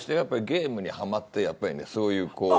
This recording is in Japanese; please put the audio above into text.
ゲームにはまってやっぱりねそういうこう。